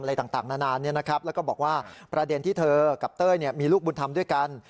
อะไรต่างนานแล้วก็บอกว่าประเด็นที่เธอกับเต้ยมีลูกบุญธรรมด้วยกัน